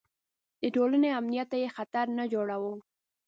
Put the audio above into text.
د ټولنې امنیت ته یې خطر نه جوړاوه.